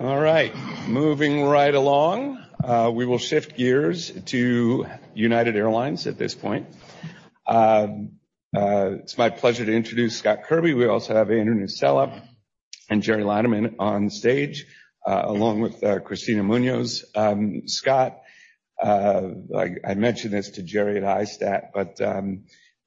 All right, moving right along. We will shift gears to United Airlines at this point. It's my pleasure to introduce Scott Kirby. We also have Andrew Nocella and Gerry Laderman on stage, along with Kristina Munoz. Scott, like I mentioned this to Gerry at ISTAT, but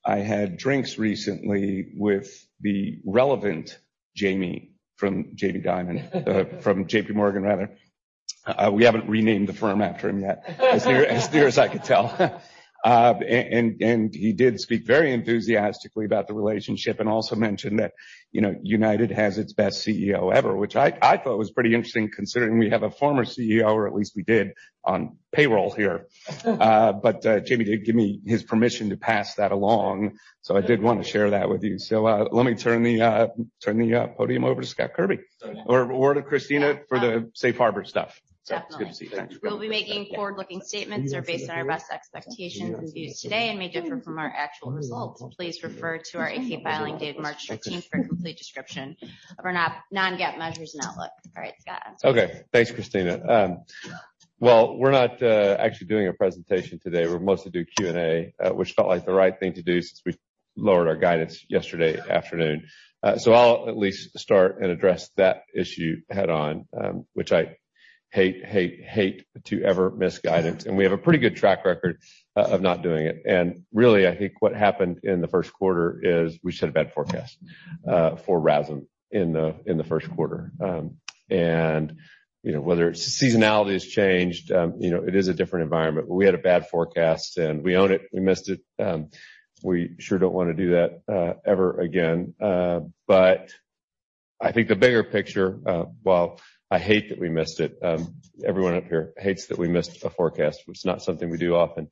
I had drinks recently with the relevant Jamie Dimon, from JPMorgan rather. We haven't renamed the firm after him yet. As near as I could tell. He did speak very enthusiastically about the relationship and also mentioned that, you know, United has its best CEO ever, which I thought was pretty interesting considering we have a former CEO, or at least we did, on payroll here. Jamie did give me his permission to pass that along. I did want to share that with you. Let me turn the podium over to Scott Kirby or over to Kristina for the safe harbor stuff. Definitely. It's good to see you. Thanks. We'll be making forward-looking statements are based on our best expectations and views today and may differ from our actual results. Please refer to our SEC filing date, March 15th, for a complete description of our non-GAAP measures and outlook. All right, Scott. Okay. Thanks, Kristina. Well, we're not actually doing a presentation today. We're mostly doing Q&A, which felt like the right thing to do since we lowered our guidance yesterday afternoon. I'll at least start and address that issue head on, which I hate, hate to ever miss guidance. We have a pretty good track record of not doing it. Really, I think what happened in the first quarter is we set a bad forecast for RASM in the first quarter. You know, whether it's seasonality has changed, you know, it is a different environment. We had a bad forecast and we own it. We missed it. We sure don't want to do that ever again. I think the bigger picture, while I hate that we missed it, everyone up here hates that we missed a forecast. It's not something we do often.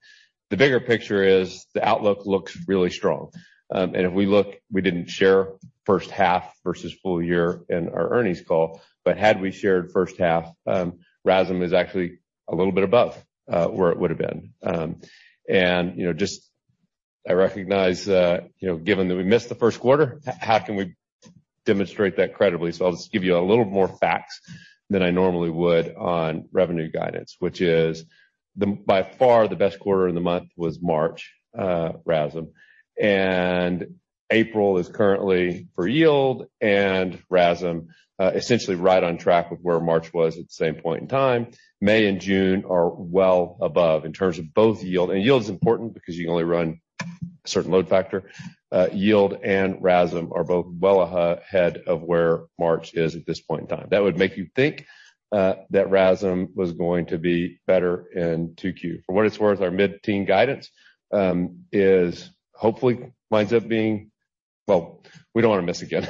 The bigger picture is the outlook looks really strong. If we look, we didn't share first half versus full year in our earnings call. Had we shared first half, RASM is actually a little bit above where it would have been. You know, just I recognize that, you know, given that we missed the first quarter, how can we demonstrate that credibly? I'll just give you a little more facts than I normally would on revenue guidance, which is by far, the best quarter in the month was March RASM. April is currently for yield and RASM, essentially right on track with where March was at the same point in time. May and June are well above in terms of both yield. Yield is important because you can only run a certain load factor. Yield and RASM are both well ahead of where March is at this point in time. That would make you think that RASM was going to be better in 2Q. For what it's worth, our mid-teen guidance is hopefully winds up being... Well, we don't want to miss again.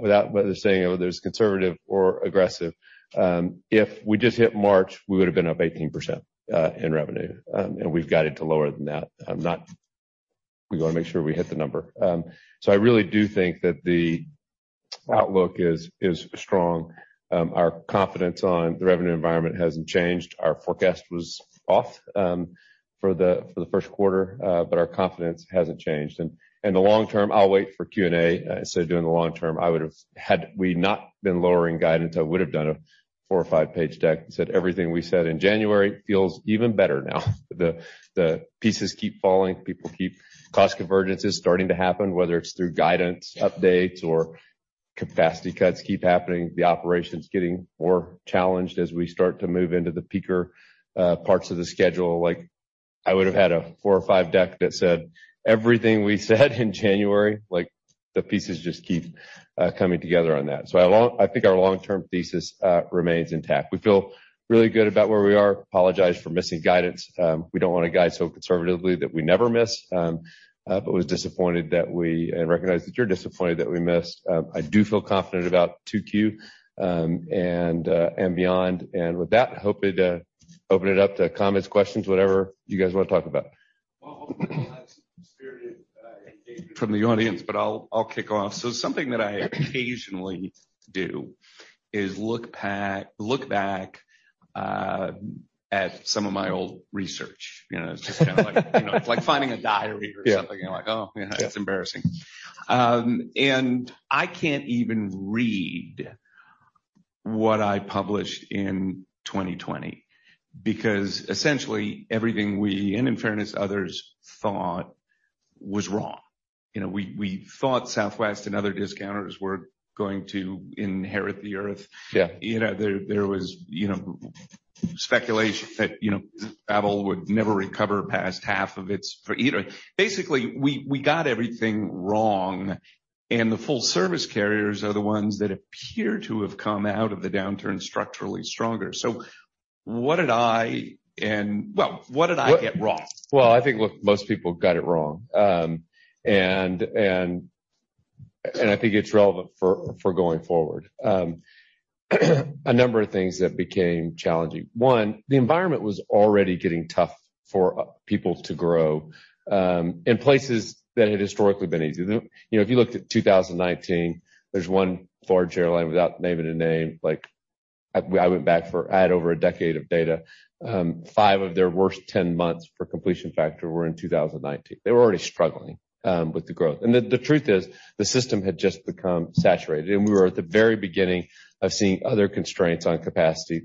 Without whether saying there's conservative or aggressive, if we just hit March, we would have been up 18% in revenue. We've got it to lower than that. We want to make sure we hit the number. I really do think that the outlook is strong. Our confidence on the revenue environment hasn't changed. Our forecast was off for the first quarter, our confidence hasn't changed. The long term, I'll wait for Q&A. Instead of doing the long term, had we not been lowering guidance, I would have done a four or five-page deck that said everything we said in January feels even better now. The pieces keep falling. Cost convergence is starting to happen, whether it's through guidance updates or capacity cuts keep happening. The operation's getting more challenged as we start to move into the peaker parts of the schedule. Like, I would have had a four or five deck that said everything we said in January, like the pieces just keep coming together on that. I think our long-term thesis remains intact. We feel really good about where we are. Apologize for missing guidance. We don't want to guide so conservatively that we never miss. Was disappointed that we and recognize that you're disappointed that we missed. I do feel confident about 2Q and beyond. With that, hope it open it up to comments, questions, whatever you guys want to talk about. Well, hopefully, we'll have some spirited, engagement-. From the audience, I'll kick off. Something that I occasionally do is look back at some of my old research. You know, it's just kinda like. You know, it's like finding a diary or something. Yeah. You're like, "Oh, yeah, it's embarrassing." I can't even read what I published in 2020 because essentially everything we, and in fairness, others thought was wrong. You know, we thought Southwest and other discounters were going to inherit the Earth. Yeah. You know, there was, you know, speculation that, you know, Apple would never recover past half of its. Basically, we got everything wrong, the full-service carriers are the ones that appear to have come out of the downturn structurally stronger. Well, what did I get wrong? Well, I think, look, most people got it wrong. I think it's relevant for going forward. A number of things that became challenging. One, the environment was already getting tough for people to grow in places that had historically been easy. You know, if you looked at 2019, there's one large airline, without naming a name, like I went back for I had over a decade of data. Five of their worst 10 months for completion factor were in 2019. They were already struggling with the growth. The truth is the system had just become saturated, and we were at the very beginning of seeing other constraints on capacity,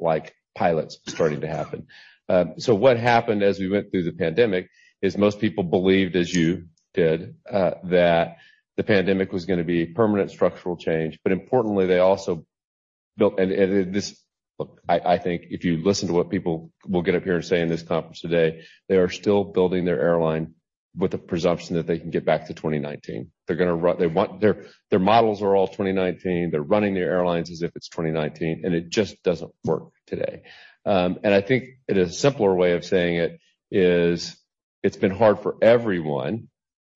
like pilots starting to happen. What happened as we went through the pandemic is most people believed, as you did, that the pandemic was gonna be permanent structural change. Importantly, they also built... This-- Look, I think if you listen to what people will get up here and say in this conference today, they are still building their airline with the presumption that they can get back to 2019. They want-- Their models are all 2019. They're running their airlines as if it's 2019. It just doesn't work today. I think it is a simpler way of saying it is it's been hard for everyone,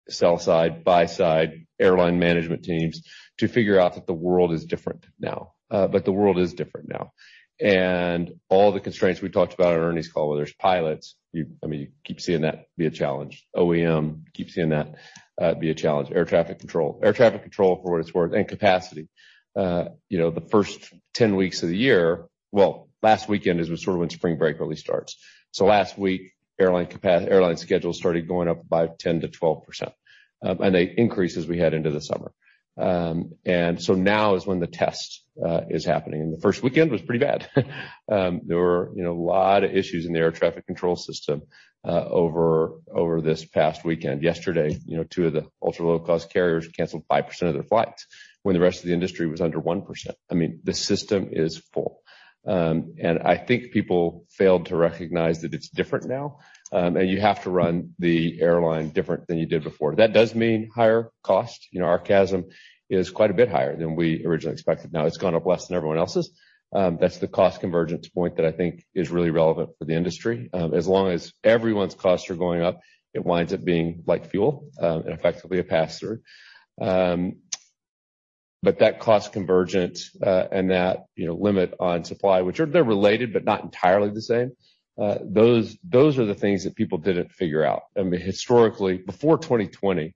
sell side, buy side, airline management teams, to figure out that the world is different now. The world is different now. All the constraints we talked about on earnings call, where there's pilots, I mean, you keep seeing that be a challenge. OEM, keep seeing that be a challenge. Air traffic control. Air traffic control, for what it's worth, and capacity. You know, the first 10 weeks of the year. Well, last weekend is sort of when spring break really starts. Last week, airline schedules started going up by 10%-12%, and they increase as we head into the summer. Now is when the test is happening, and the first weekend was pretty bad. There were, you know, a lot of issues in the air traffic control system over this past weekend. Yesterday, you know, two of the ultra-low-cost carriers canceled 5% of their flights when the rest of the industry was under 1%. I mean, the system is full. I think people failed to recognize that it's different now, and you have to run the airline different than you did before. That does mean higher cost. You know, our CASM is quite a bit higher than we originally expected. Now, it's gone up less than everyone else's. That's the cost convergence point that I think is really relevant for the industry. As long as everyone's costs are going up, it winds up being like fuel, and effectively a pass-through. That cost convergence, and that, you know, limit on supply, which are they're related, but not entirely the same, those are the things that people didn't figure out. I mean, historically, before 2020,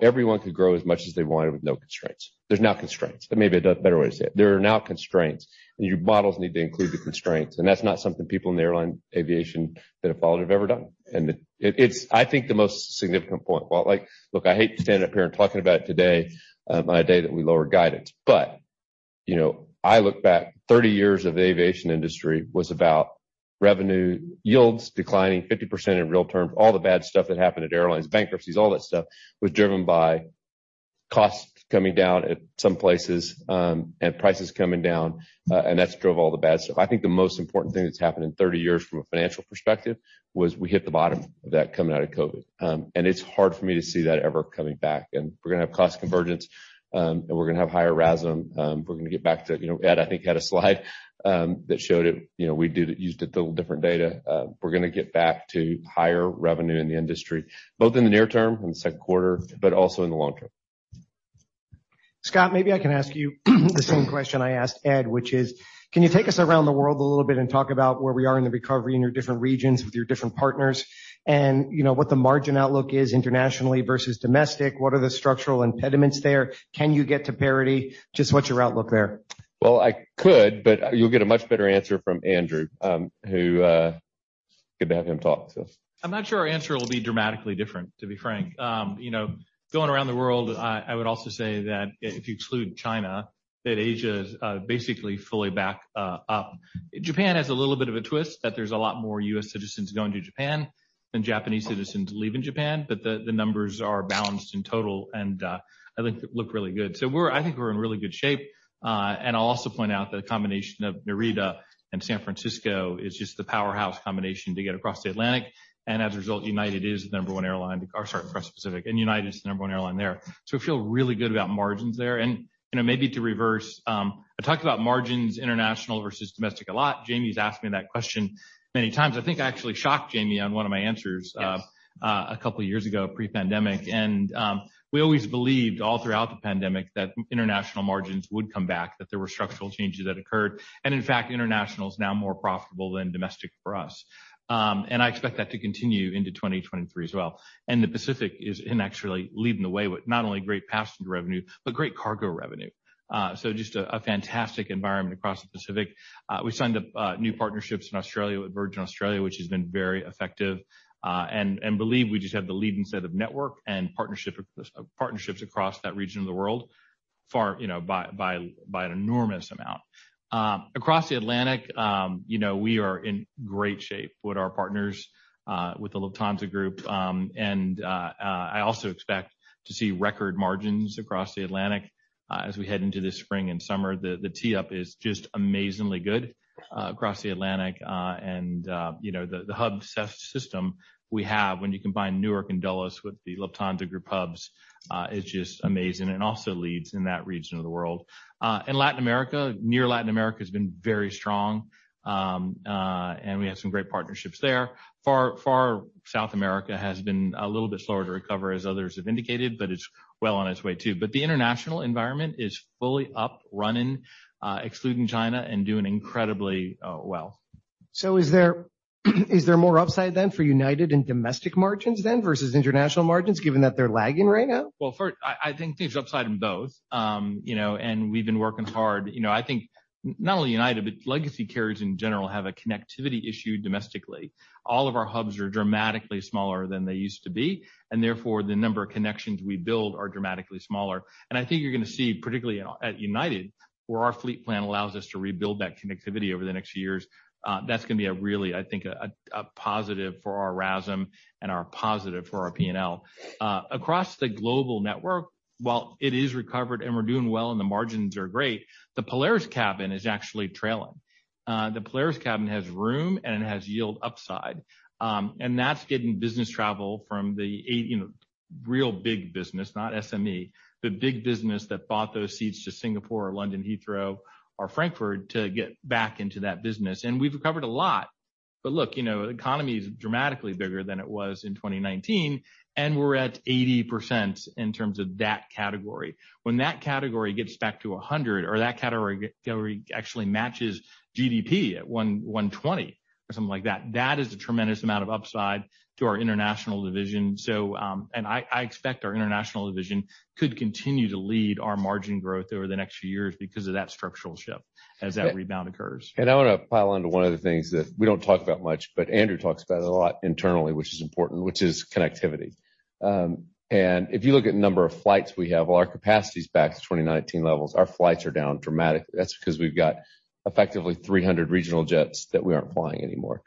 everyone could grow as much as they wanted with no constraints. There's now constraints, but maybe a better way to say it. There are now constraints, and your models need to include the constraints, and that's not something people in the airline aviation that have followed have ever done. It, it's, I think, the most significant point. Well, like, look, I hate to stand up here and talking about it today, on a day that we lowered guidance. You know, I look back 30 years of the aviation industry was about revenue yields declining 50% in real terms. All the bad stuff that happened at airlines, bankruptcies, all that stuff, was driven by costs coming down at some places, and prices coming down, and that's drove all the bad stuff. I think the most important thing that's happened in 30 years from a financial perspective was we hit the bottom of that coming out of COVID. It's hard for me to see that ever coming back. We're gonna have cost convergence, and we're gonna have higher RASM. We're gonna get back to, you know, Ed, I think, had a slide that showed it. You know, we used a little different data. We're gonna get back to higher revenue in the industry, both in the near term, in the second quarter, but also in the long term. Scott, maybe I can ask you the same question I asked Ed, which is, can you take us around the world a little bit and talk about where we are in the recovery in your different regions with your different partners? You know, what the margin outlook is internationally versus domestic? What are the structural impediments there? Can you get to parity? Just what's your outlook there? I could, but you'll get a much better answer from Andrew, who, good to have him talk, so. I'm not sure our answer will be dramatically different, to be frank. You know, going around the world, I would also say that if you exclude China, that Asia is basically fully back up. Japan has a little bit of a twist, that there's a lot more U.S. citizens going to Japan than Japanese citizens leaving Japan, but the numbers are balanced in total, and I think it looked really good. I think we're in really good shape. And I'll also point out that a combination of Narita and San Francisco is just the powerhouse combination to get across the Atlantic, and as a result, United is the number one airline or sorry, across Pacific, and United is the number one airline there. We feel really good about margins there. You know, maybe to reverse, I talk about margins international versus domestic a lot. Jamie's asked me that question many times. I think I actually shocked Jamie on one of my answers. A couple years ago, pre-pandemic. We always believed all throughout the pandemic that international margins would come back, that there were structural changes that occurred. In fact, international is now more profitable than domestic for us. I expect that to continue into 2023 as well. The Pacific is actually leading the way with not only great passenger revenue, but great cargo revenue. Just a fantastic environment across the Pacific. We signed up new partnerships in Australia with Virgin Australia, which has been very effective, and believe we just have the leading set of network and partnerships across that region of the world far, you know, by an enormous amount. Across the Atlantic, you know, we are in great shape with our partners with the Lufthansa Group. I also expect to see record margins across the Atlantic as we head into this spring and summer. The tee up is just amazingly good across the Atlantic, and you know, the hub system we have when you combine Newark and Dulles with the Lufthansa Group hubs, is just amazing and also leads in that region of the world. Latin America, near Latin America has been very strong. We have some great partnerships there. Far South America has been a little bit slower to recover, as others have indicated, but it's well on its way, too. The international environment is fully up, running, excluding China, and doing incredibly well. Is there more upside then for United in domestic margins then versus international margins, given that they're lagging right now? Well, first, I think there's upside in both. You know, we've been working hard. You know, I think not only United, but legacy carriers in general have a connectivity issue domestically. All of our hubs are dramatically smaller than they used to be, therefore the number of connections we build are dramatically smaller. I think you're gonna see, particularly at United, where our fleet plan allows us to rebuild that connectivity over the next few years, that's gonna be a really, I think a positive for our RASM and are positive for our P&L. Across the global network, while it is recovered and we're doing well and the margins are great, the Polaris cabin is actually trailing. The Polaris cabin has room and it has yield upside, that's getting business travel from the eight real big business, not SME, the big business that bought those seats to Singapore or London Heathrow or Frankfurt to get back into that business. We've recovered a lot. The economy is dramatically bigger than it was in 2019, we're at 80% in terms of that category. When that category gets back to 100 or that category actually matches GDP at 120 or something like that is a tremendous amount of upside to our international division. I expect our international division could continue to lead our margin growth over the next few years because of that structural shift as that rebound occurs. I want to pile on to one of the things that we don't talk about much, but Andrew talks about it a lot internally, which is important, which is connectivity. If you look at number of flights we have, while our capacity is back to 2019 levels, our flights are down dramatically. That's because we've got effectively 300 regional jets that we aren't flying anymore.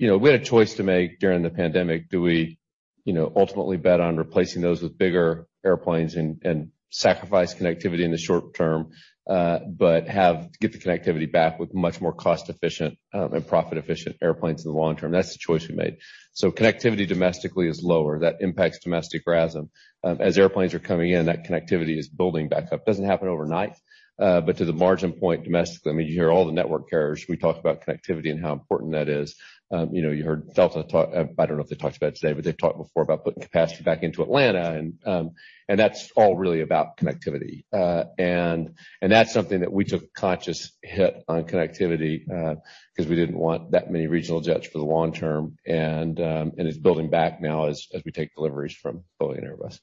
You know, we had a choice to make during the pandemic. Do we, you know, ultimately bet on replacing those with bigger airplanes and sacrifice connectivity in the short term, but get the connectivity back with much more cost-efficient and profit-efficient airplanes in the long term? That's the choice we made. Connectivity domestically is lower. That impacts domestic RASM. As airplanes are coming in, that connectivity is building back up. Doesn't happen overnight. To the margin point domestically, I mean, you hear all the network carriers. We talk about connectivity and how important that is. You know, you heard Delta talk. I don't know if they talked about it today, but they've talked before about putting capacity back into Atlanta, and that's all really about connectivity. That's something that we took conscious hit on connectivity 'cause we didn't want that many regional jets for the long term. It's building back now as we take deliveries from Boeing Airbus.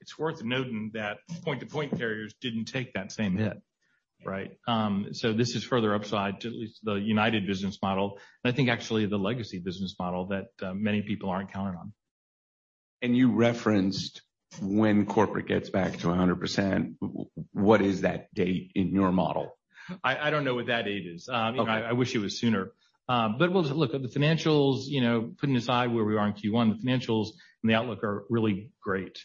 It's worth noting that point-to-point carriers didn't take that same hit, right? This is further upside to at least the United business model, and I think actually the legacy business model that many people aren't counting on. You referenced when corporate gets back to 100%, what is that date in your model? I don't know what that date is. Okay. I wish it was sooner. We'll just look at the financials, you know, putting aside where we are in Q1, the financials and the outlook are really great.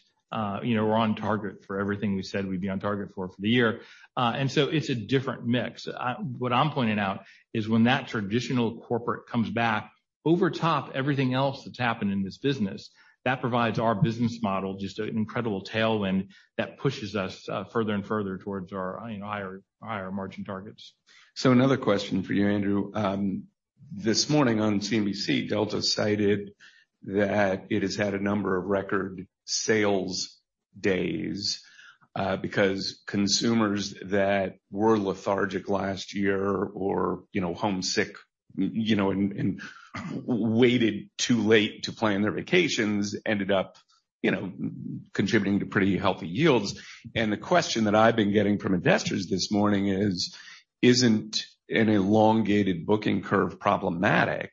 You know, we're on target for everything we said we'd be on target for the year. It's a different mix. What I'm pointing out is when that traditional corporate comes back over top everything else that's happened in this business, that provides our business model just an incredible tailwind that pushes us further and further towards our, you know, higher margin targets. Another question for you, Andrew. This morning on CNBC, Delta cited that it has had a number of record sales days because consumers that were lethargic last year or, you know, homesick, you know, and waited too late to plan their vacations ended up, you know, contributing to pretty healthy yields. The question that I've been getting from investors this morning is, isn't an elongated booking curve problematic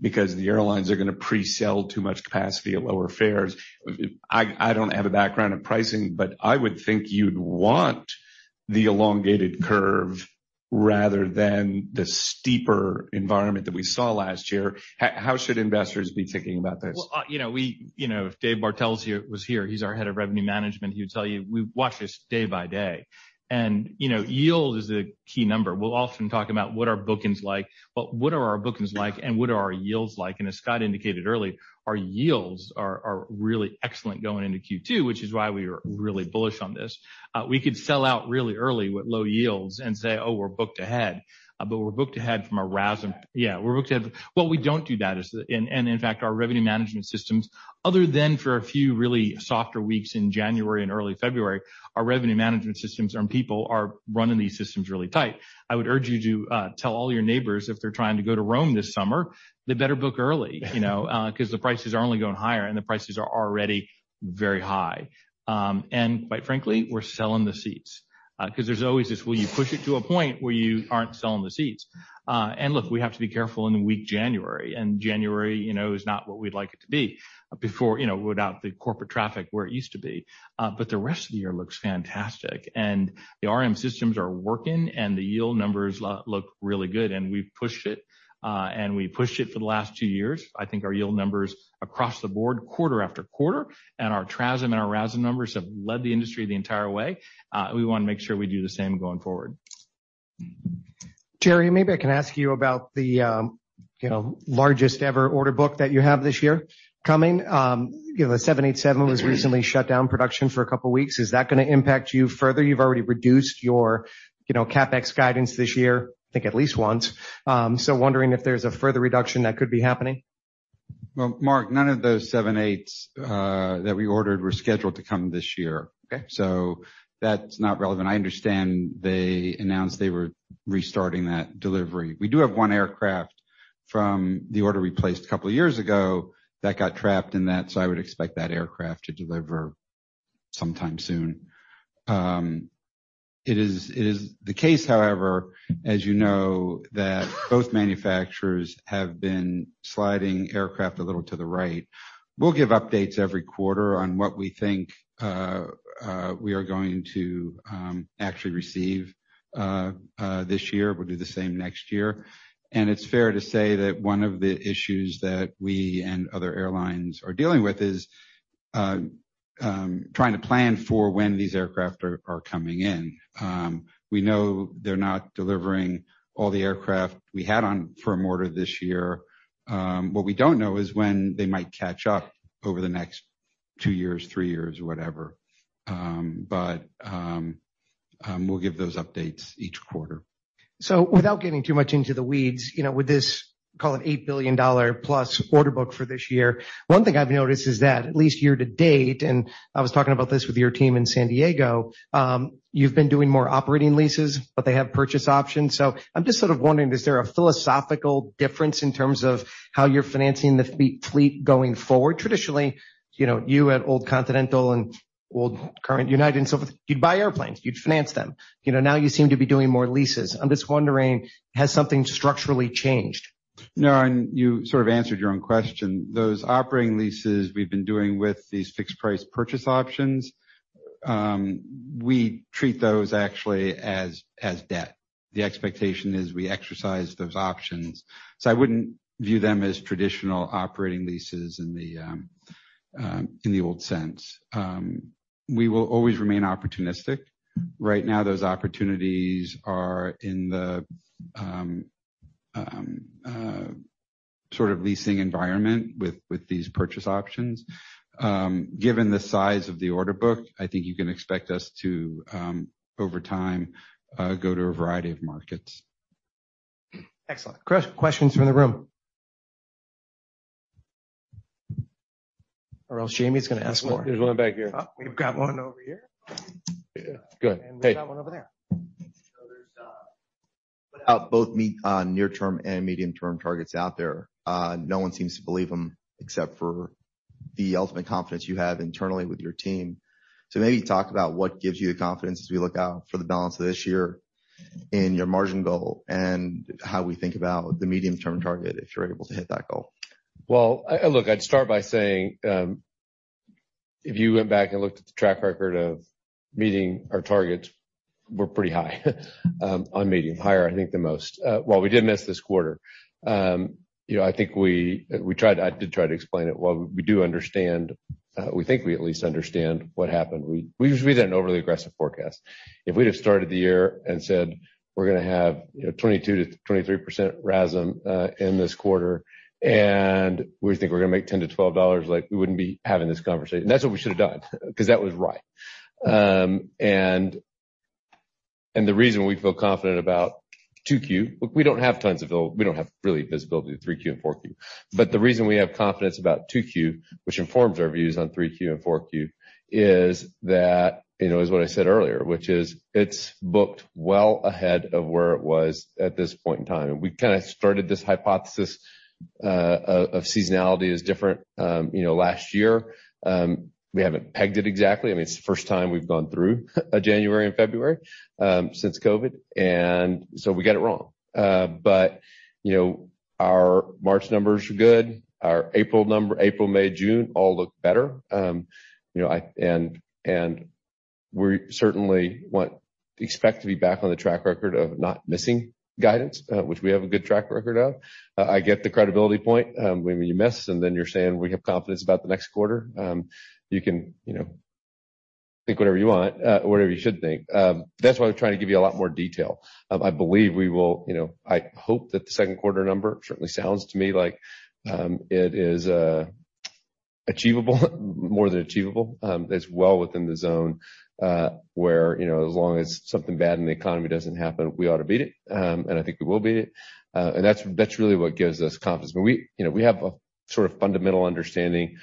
because the airlines are gonna pre-sell too much capacity at lower fares? I don't have a background in pricing, but I would think you'd want the elongated curve rather than the steeper environment that we saw last year. How should investors be thinking about this? Well, you know, if Dave Bartel's here, was here, he's our head of revenue management, he would tell you, we watch this day by day. You know, yield is a key number. We'll often talk about what are bookings like, but what are our bookings like and what are our yields like? As Scott indicated earlier, our yields are really excellent going into Q2, which is why we are really bullish on this. We could sell out really early with low yields and say, "Oh, we're booked ahead," but we're booked ahead from a RASM. Yeah, we're booked ahead. Well, we don't do that. In fact, our revenue management systems, other than for a few really softer weeks in January and early February, our revenue management systems and people are running these systems really tight. I would urge you to tell all your neighbors if they're trying to go to Rome this summer, they better book early, you know, 'cause the prices are only going higher, and the prices are already very high. Quite frankly, we're selling the seats. 'Cause there's always this, will you push it to a point where you aren't selling the seats? Look, we have to be careful in weak January, and January, you know, is not what we'd like it to be before, you know, without the corporate traffic where it used to be. The rest of the year looks fantastic, and the RM systems are working, and the yield numbers look really good. We've pushed it, and we pushed it for the last two years. I think our yield numbers across the board quarter after quarter and our TRASM and our RASM numbers have led the industry the entire way. We wanna make sure we do the same going forward. Gerry, maybe I can ask you about the, you know, largest ever order book that you have this year coming. You know, the 787 was recently shut down production for a couple weeks. Is that gonna impact you further? You've already reduced your, you know, CapEx guidance this year, I think at least once. Wondering if there's a further reduction that could be happening. Well, Mark, none of those 787s that we ordered were scheduled to come this year. Okay. That's not relevant. I understand they announced they were restarting that delivery. We do have one aircraft from the order we placed a couple of years ago that got trapped in that, so I would expect that aircraft to deliver sometime soon. It is the case however, as you know, that both manufacturers have been sliding aircraft a little to the right. We'll give updates every quarter on what we think we are going to actually receive this year. We'll do the same next year. It's fair to say that one of the issues that we and other airlines are dealing with is trying to plan for when these aircraft are coming in. We know they're not delivering all the aircraft we had on firm order this year. What we don't know is when they might catch up over the next two years, three years, whatever. We'll give those updates each quarter. Without getting too much into the weeds, you know, with this, call it $8 billion+ order book for this year, one thing I've noticed is that at least year-to-date, and I was talking about this with your team in San Diego, you've been doing more operating leases, but they have purchase options. I'm just sort of wondering, is there a philosophical difference in terms of how you're financing the fleet going forward? Traditionally, you know, you at old Continental and old current United and so forth, you'd buy airplanes, you'd finance them. You know, now you seem to be doing more leases. I'm just wondering, has something structurally changed? No, you sort of answered your own question. Those operating leases we've been doing with these fixed price purchase options, we treat those actually as debt. The expectation is we exercise those options. I wouldn't view them as traditional operating leases in the old sense. We will always remain opportunistic. Right now, those opportunities are in the sort of leasing environment with these purchase options. Given the size of the order book, I think you can expect us to, over time, go to a variety of markets. Excellent. Questions from the room. Else Jamie's gonna ask more. There's one back here. Oh, we've got one over here. Yeah. Good. We've got one over there. There's both near term and medium term targets out there. No one seems to believe them except for the ultimate confidence you have internally with your team. Maybe talk about what gives you the confidence as we look out for the balance of this year in your margin goal and how we think about the medium-term target, if you're able to hit that goal. Look, I'd start by saying, if you went back and looked at the track record of meeting our targets, we're pretty high on meeting. Higher, I think, than most. Well, we did miss this quarter. You know, I think we tried to explain it. We do understand, we think we at least understand what happened. We just read an overly aggressive forecast. If we'd have started the year and said, "We're gonna have, you know, 22%-23% RASM, in this quarter, and we think we're gonna make $10-$12," like, we wouldn't be having this conversation. That's what we should have done because that was right. The reason we feel confident about 2Q, we don't have tons of visibility to 3Q and 4Q. The reason we have confidence about 2Q, which informs our views on 3Q and 4Q is that, you know, is what I said earlier, which is it's booked well ahead of where it was at this point in time. We kinda started this hypothesis of seasonality is different, you know, last year. We haven't pegged it exactly. I mean, it's the first time we've gone through January and February, since COVID, and so we got it wrong. You know, our March numbers are good. Our April, May, June all look better. You know, we certainly expect to be back on the track record of not missing guidance, which we have a good track record of. I get the credibility point, when you miss, and then you're saying we have confidence about the next quarter. You can, you know, think whatever you want, whatever you should think. That's why we're trying to give you a lot more detail. I believe we will, I hope that the second quarter number certainly sounds to me like it is achievable, more than achievable. It's well within the zone, where, you know, as long as something bad in the economy doesn't happen, we ought to beat it. I think we will beat it. That's really what gives us confidence. We, you know, we have a sort of fundamental understanding,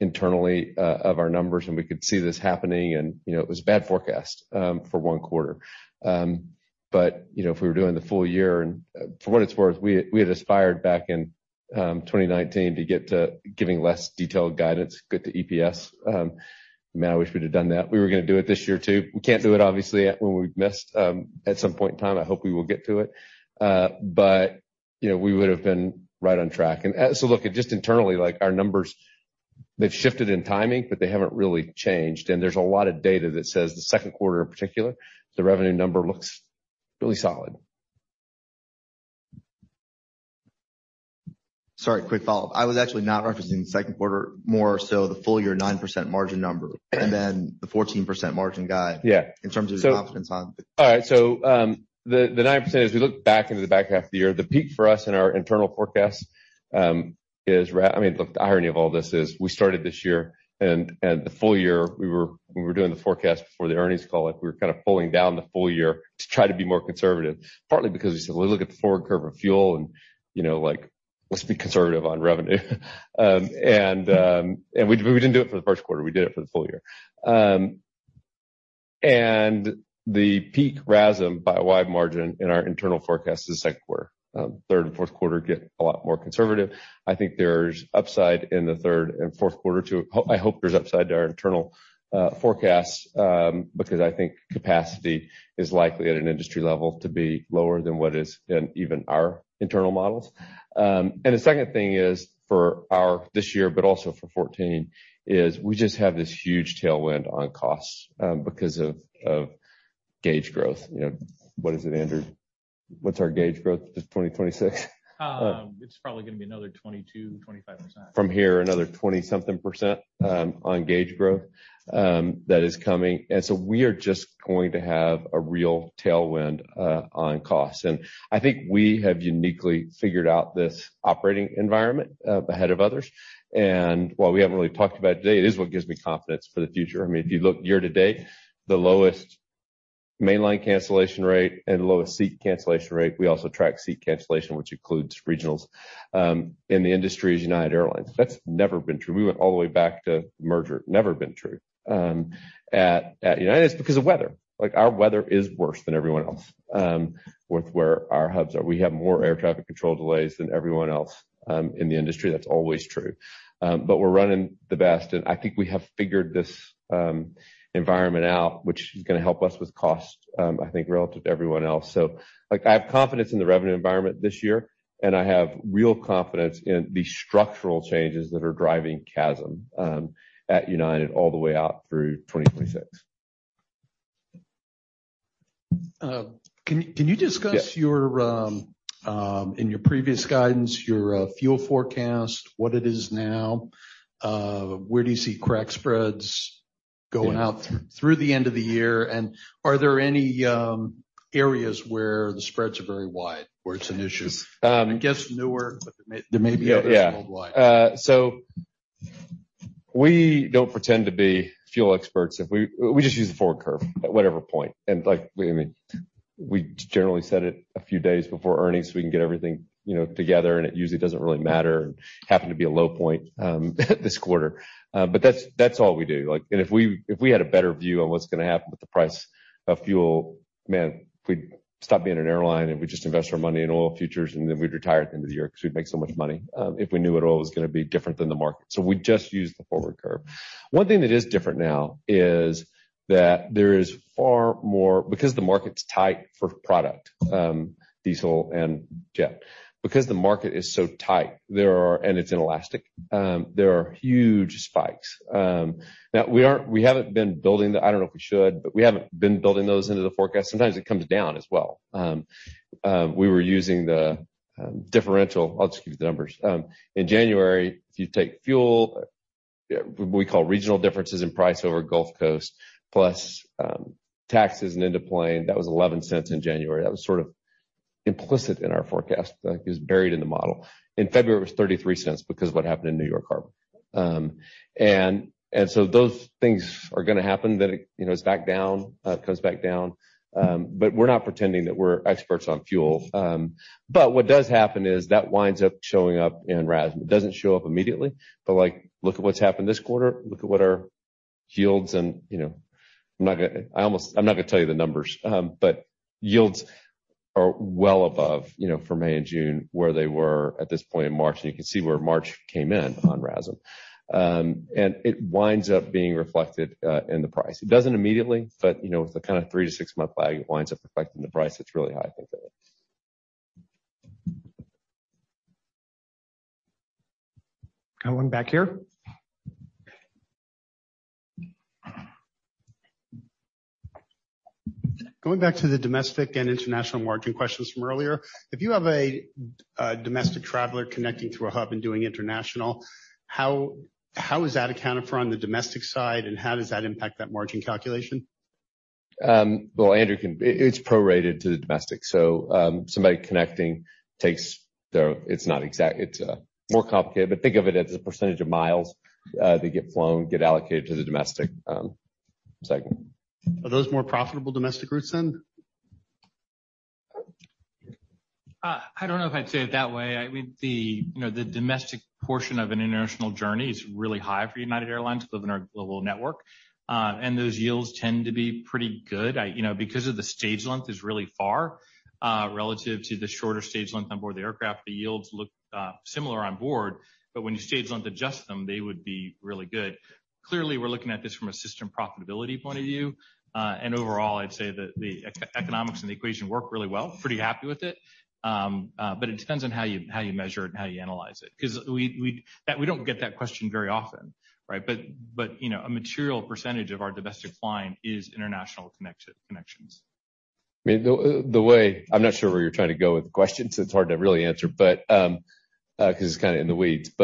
internally, of our numbers, and we could see this happening and, you know, it was a bad forecast, for one quarter. You know, if we were doing the full year, and for what it's worth, we had aspired back in, 2019 to get to giving less detailed guidance, get to EPS. Man, I wish we'd have done that. We were gonna do it this year, too. We can't do it, obviously, when we've missed. At some point in time, I hope we will get to it. You know, we would have been right on track. Look, just internally, like, our numbers, they've shifted in timing, but they haven't really changed. There's a lot of data that says the second quarter in particular, the revenue number looks really solid. Sorry, quick follow-up. I was actually not referencing the second quarter, more so the full year 9% margin number, and then the 14% margin guide- Yeah. in terms of the confidence on the- All right. The 9%, as we look back into the back half of the year, the peak for us in our internal forecast, I mean, look, the irony of all this is we started this year and the full year we were doing the forecast before the earnings call, like, we were kind of pulling down the full year to try to be more conservative, partly because we said, "Well, look at the forward curve of fuel and, you know, like, let's be conservative on revenue." We didn't do it for the first quarter, we did it for the full year. The peak RASM by a wide margin in our internal forecast is second quarter. Third and fourth quarter get a lot more conservative. I think there's upside in the third and fourth quarter too. I hope there's upside to our internal forecasts, because I think capacity is likely at an industry level to be lower than what is in even our internal models. The second thing is for this year, but also for 14, is we just have this huge tailwind on costs, because of gauge growth. You know, what is it, Andrew? What's our gauge growth to 2026? It's probably gonna be another 22%, 25%. From here, another 20%-something, on gauge growth, that is coming. So we are just going to have a real tailwind, on costs. I think we have uniquely figured out this operating environment, ahead of others. While we haven't really talked about it today, it is what gives me confidence for the future. I mean, if you look year to date, the lowest mainline cancellation rate and lowest seat cancellation rate, we also track seat cancellation, which includes regionals, in the industry is United Airlines. That's never been true. We went all the way back to merger. Never been true. At United, it's because of weather. Like, our weather is worse than everyone else, with where our hubs are. We have more air traffic control delays than everyone else, in the industry. That's always true. We're running the best, and I think we have figured this environment out, which is gonna help us with cost, I think, relative to everyone else. Like, I have confidence in the revenue environment this year, and I have real confidence in the structural changes that are driving CASM at United all the way out through 2026. Can you discuss-. Yeah. your, in your previous guidance, your, fuel forecast, what it is now? Where do you see crack spreads going out through the end of the year? Are there any, areas where the spreads are very wide, where it's an issue? Um- I guess nowhere, but there may be others worldwide. Yeah. We don't pretend to be fuel experts. If we just use the forward curve at whatever point. Like, we, I mean, we generally set it a few days before earnings, so we can get everything, you know, together, and it usually doesn't really matter and happen to be a low point this quarter. That's, that's all we do. Like, if we, if we had a better view on what's gonna happen with the price of fuel, man, we'd stop being an airline, and we'd just invest our money in oil futures, and then we'd retire at the end of the year because we'd make so much money if we knew oil was gonna be different than the market. We just use the forward curve. One thing that is different now is that there is far more because the market's tight for product, diesel and jet. The market is so tight, there are and it's inelastic, there are huge spikes. Now we haven't been building the... I don't know if we should, but we haven't been building those into the forecast. Sometimes it comes down as well. We were using the differential. I'll just give you the numbers. In January, if you take fuel, we call regional differences in price over Gulf Coast plus taxes and into-plane, that was $0.11 in January. That was sort of implicit in our forecast, like, it was buried in the model. In February, it was $0.33 because of what happened in New York Harbor. Those things are gonna happen that it, you know, is back down, comes back down. We're not pretending that we're experts on fuel. What does happen is that winds up showing up in RASM. It doesn't show up immediately, but, like, look at what's happened this quarter. Look at what our yields and, you know. I'm not gonna tell you the numbers. Yields are well above, you know, for May and June, where they were at this point in March, and you can see where March came in on RASM. It winds up being reflected in the price. It doesn't immediately, but you know, with the kind of three to six-month lag, it winds up reflecting the price that's really high, I think that is. Got one back here. Going back to the domestic and international margin questions from earlier. If you have a domestic traveler connecting through a hub and doing international, how is that accounted for on the domestic side, and how does that impact that margin calculation? Well, Andrew can, it's prorated to the domestic. Somebody connecting takes their. It's not exact. It's more complicated, but think of it as a percentage of miles that get flown, get allocated to the domestic segment. Are those more profitable domestic routes then? I don't know if I'd say it that way. I mean, you know, the domestic portion of an international journey is really high for United Airlines within our global network. Those yields tend to be pretty good. I, you know, because of the stage length is really far, relative to the shorter stage length on board the aircraft, the yields look similar on board. When you stage length adjust them, they would be really good. Clearly, we're looking at this from a system profitability point of view. Overall, I'd say that the economics and the equation work really well. Pretty happy with it. It depends on how you, how you measure it and how you analyze it. 'Cause we don't get that question very often, right? you know, a material percentage of our domestic flying is international connections. I mean, the way I'm not sure where you're trying to go with the question, so it's hard to really answer. 'Cause it's kind of in the weeds.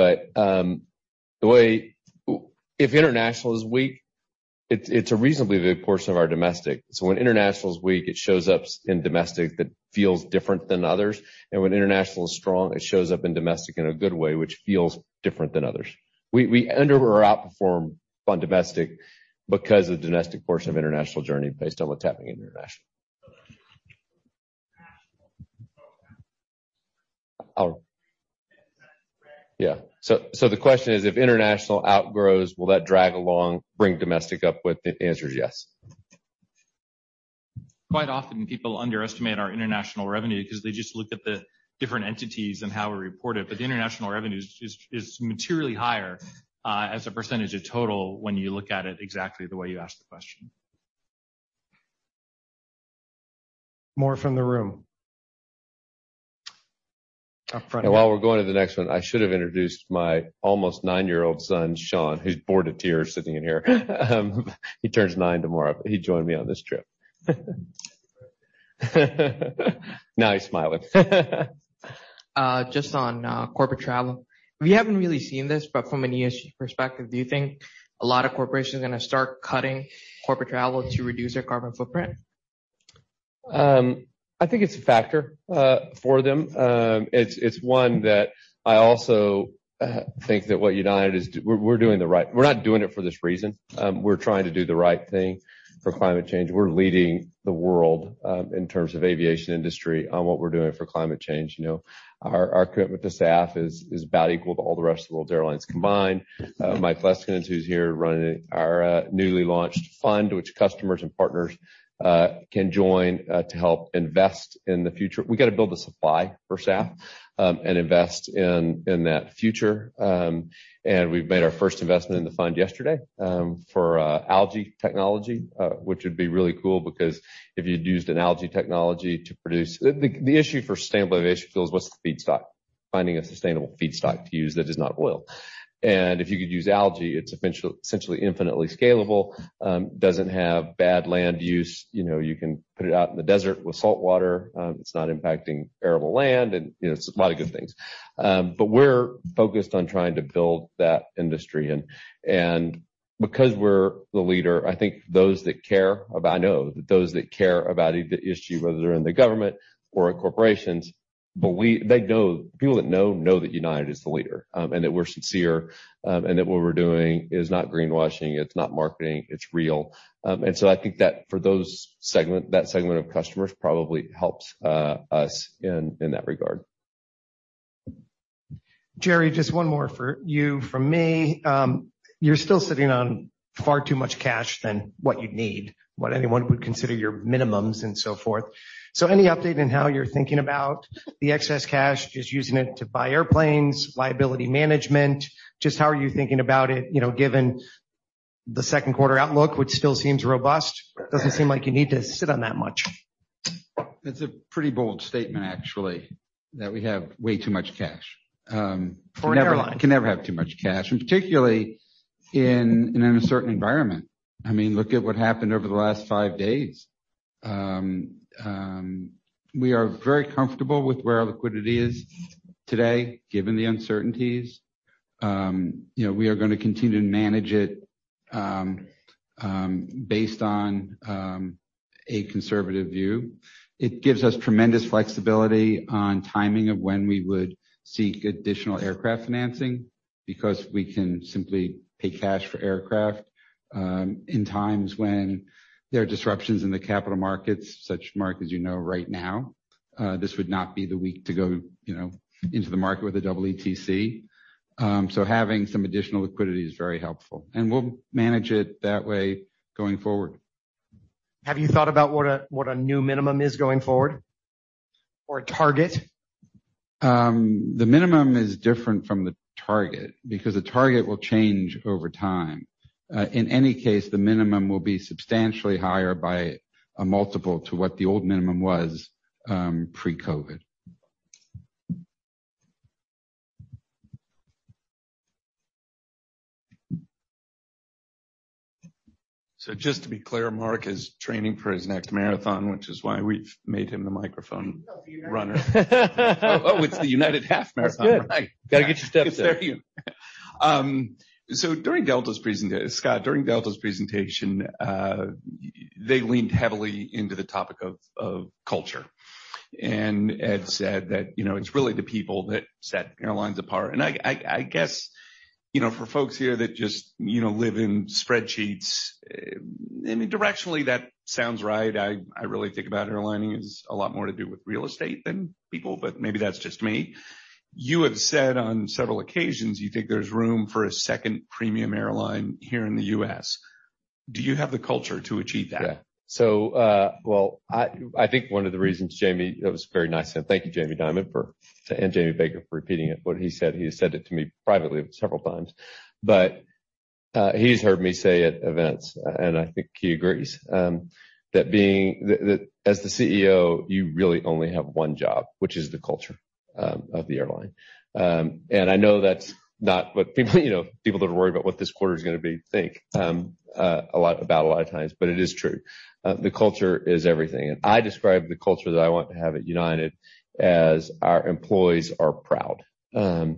The way if international is weak, it's a reasonably big portion of our domestic. When international is weak, it shows up in domestic that feels different than others. When international is strong, it shows up in domestic in a good way, which feels different than others. We under or outperform on domestic because of the domestic portion of international journey based on what's happening in international. Yeah. The question is, if international outgrows, will that drag along, bring domestic up with it? The answer is yes. Quite often, people underestimate our international revenue because they just look at the different entities and how we report it. The international revenue is materially higher as a percentage of total when you look at it exactly the way you asked the question. More from the room. Up front here. While we're going to the next one, I should have introduced my almost nine-year-old son, Sean, who's bored to tears sitting in here. He turns nine tomorrow. He joined me on this trip. Now he's smiling. Just on corporate travel. We haven't really seen this, but from an ESG perspective, do you think a lot of corporations are gonna start cutting corporate travel to reduce their carbon footprint? I think it's a factor for them. It's one that I also think that we're not doing it for this reason. We're trying to do the right thing for climate change. We're leading the world in terms of aviation industry on what we're doing for climate change, you know. Our commitment to SAF is about equal to all the rest of the world airlines combined. Mike Leskinen, who's here running our newly launched fund, which customers and partners can join to help invest in the future. We got to build the supply for SAF and invest in that future. We've made our first investment in the fund yesterday for algae technology, which would be really cool because if you'd used an algae technology to produce. The issue for sustainable aviation fuels, what's the feedstock? Finding a sustainable feedstock to use that is not oil. If you could use algae, it's essentially infinitely scalable, doesn't have bad land use. You know, you can put it out in the desert with saltwater. It's not impacting arable land and, you know, it's a lot of good things. We're focused on trying to build that industry and because we're the leader, I think those that care about I know that those that care about the issue, whether they're in the government or in corporations, believe they know, people that know that United is the leader, and that we're sincere, and that what we're doing is not greenwashing, it's not marketing, it's real. I think that for those segment that segment of customers probably helps us in that regard. Gerry, just one more for you from me. You're still sitting on far too much cash than what you'd need, what anyone would consider your minimums and so forth. Any update on how you're thinking about the excess cash, just using it to buy airplanes, liability management? Just how are you thinking about it, you know, given the second quarter outlook, which still seems robust? Doesn't seem like you need to sit on that much. That's a pretty bold statement, actually, that we have way too much cash. For an airline. You can never have too much cash. Particularly in an uncertain environment. I mean, look at what happened over the last five days. We are very comfortable with where our liquidity is today, given the uncertainties. You know, we are gonna continue to manage it, based on a conservative view. It gives us tremendous flexibility on timing of when we would seek additional aircraft financing because we can simply pay cash for aircraft, in times when there are disruptions in the capital markets, such Mark, as you know, right now. This would not be the week to go, you know, into the market with a EETC. Having some additional liquidity is very helpful, and we'll manage it that way going forward. Have you thought about what a new minimum is going forward or a target? The minimum is different from the target because the target will change over time. In any case, the minimum will be substantially higher by a multiple to what the old minimum was, pre-COVID. Just to be clear, Mark is training for his next marathon, which is why we've made him the microphone runner. Oh, it's the United Half Marathon. That's good. Gotta get your steps in. During Delta's presentation, Scott, they leaned heavily into the topic of culture and had said that, you know, it's really the people that set airlines apart. I, I guess, you know, for folks here that just, you know, live in spreadsheets, I mean directionally, that sounds right. I really think about airlining as a lot more to do with real estate than people, but maybe that's just me. You have said on several occasions you think there's room for a second premium airline here in the U.S. Do you have the culture to achieve that? Yeah. Well, I think one of the reasons That was very nice. Thank you, Jamie Dimon, and Jamie Baker for repeating it. What he said, he said it to me privately several times. He's heard me say at events, and I think he agrees, that as the CEO, you really only have one job, which is the culture of the airline. I know that's not what people, you know, people that worry about what this quarter is gonna be, think about a lot of times, it is true. The culture is everything. I describe the culture that I want to have at United as our employees are proud of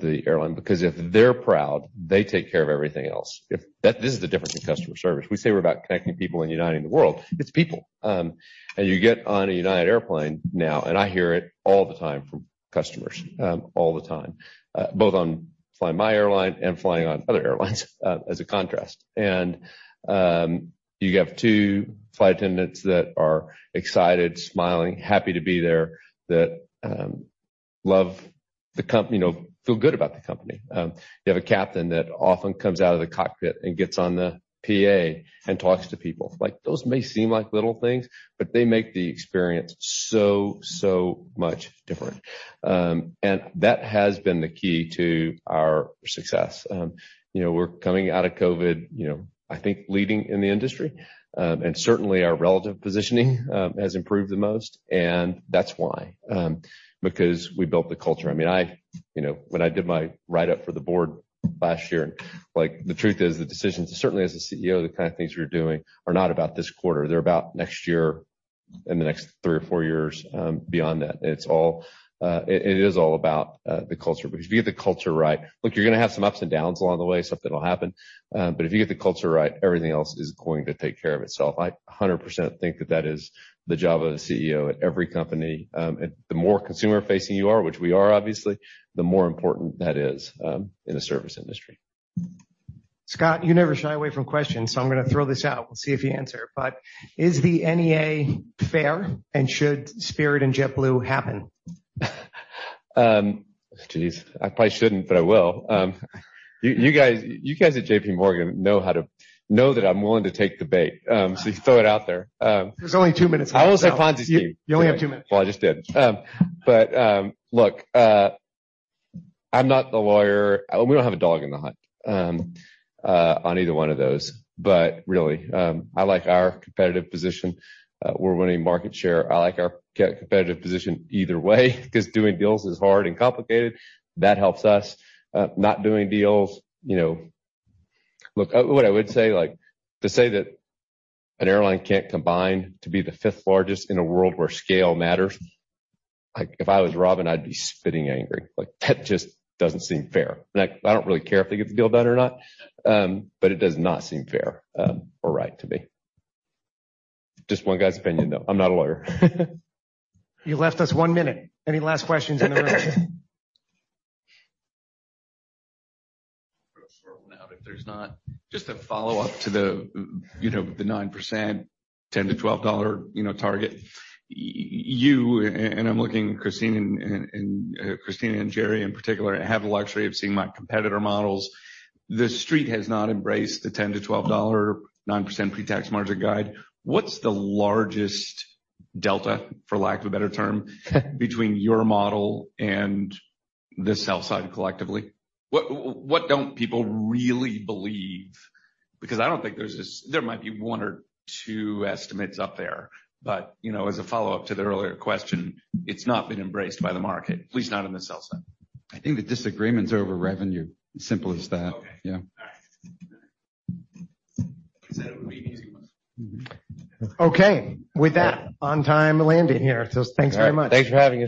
the airline because if they're proud, they take care of everything else. This is the difference in customer service. We say we're about connecting people and uniting the world. It's people. you get on a United airplane now, and I hear it all the time from customers, all the time, both flying my airline and flying on other airlines, as a contrast. you have two flight attendants that are excited, smiling, happy to be there that love the company, you know, feel good about the company. you have a captain that often comes out of the cockpit and gets on the PA and talks to people. Like, those may seem like little things, but they make the experience so much different. that has been the key to our success. you know, we're coming out of COVID, you know, I think leading in the industry. Certainly our relative positioning has improved the most, and that's why, because we built the culture. I mean, I, you know, when I did my write-up for the board last year, like the truth is, the decisions, certainly as a CEO, the kind of things we were doing are not about this quarter, they're about next year and the next three or four years beyond that. It's all, it is all about the culture. Because if you get the culture right. Look, you're gonna have some ups and downs along the way, stuff that'll happen. If you get the culture right, everything else is going to take care of itself. I 100% think that that is the job of the CEO at every company. The more consumer-facing you are, which we are obviously, the more important that is in the service industry. Scott, you never shy away from questions, so I'm gonna throw this out. We'll see if you answer. Is the NEA fair, and should Spirit and JetBlue happen? geez. I probably shouldn't, but I will. you guys at JPMorgan know that I'm willing to take debate, so you throw it out there. There's only two minutes left. I will say Ponzi scheme. You only have two minutes. I just did. Look, I'm not the lawyer. We don't have a dog in the hunt on either one of those. I like our competitive position. We're winning market share. I like our competitive position either way 'cause doing deals is hard and complicated. That helps us. Not doing deals, you know... Look, what I would say, like, to say that an airline can't combine to be the fifth largest in a world where scale matters, like, if I was Robin, I'd be spitting angry. That just doesn't seem fair. I don't really care if they get the deal done or not, it does not seem fair or right to me. Just one guy's opinion, though. I'm not a lawyer. You left us one minute. Any last questions, anyone? I'll throw one out if there's not. Just a follow-up to the, you know, the 9% $10-$12, you know, target. I'm looking at Kristina and Kristina and Gerry in particular, have the luxury of seeing my competitor models. The street has not embraced the $10-$12 9% pre-tax margin guide. What's the largest delta, for lack of a better term between your model and the sell side collectively? What don't people really believe? I don't think there's there might be one or two estimates up there. You know, as a follow-up to the earlier question, it's not been embraced by the market, at least not on the sell side. I think the disagreement's over revenue, simple as that. Okay. Yeah. All right. I said it would be an easy one. Okay. With that, on-time landing here. Thanks very much. Thanks for having us.